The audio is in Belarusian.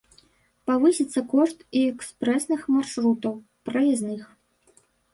Павысіцца кошт і экспрэсных маршрутаў, праязных.